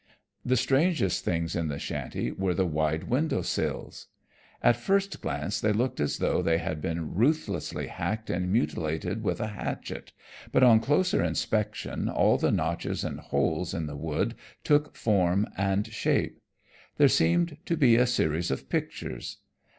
The strangest things in the shanty were the wide window sills. At first glance they looked as though they had been ruthlessly hacked and mutilated with a hatchet, but on closer inspection all the notches and holes in the wood took form and shape. There seemed to be a series of pictures.